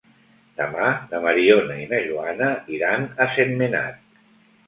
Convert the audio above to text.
Demà na Mariona i na Joana iran a Sentmenat.